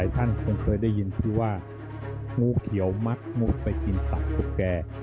ตกลงงูเขียวมันกำลังกินตุ๊กแก่